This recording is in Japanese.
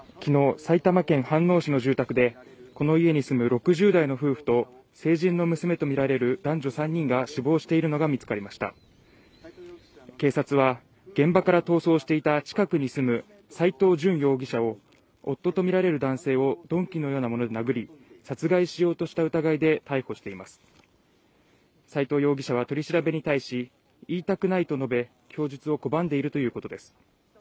埼玉県飯能市の住宅でこの家に住む６０代の夫婦と成人の娘とみられる男女３人が死亡しているのが見つかりました警察は現場から逃走していた近くに住む斎藤淳容疑者を夫とみられる男性を鈍器のようなもので殴り殺害しようとした疑いで逮捕しています斎藤容疑者は取り調べに対し言いたくないと述べ供述を拒んでいるということです